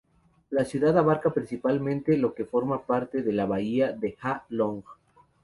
La ciudad abarca principalmente lo que forma parte de la bahía de Ha Long.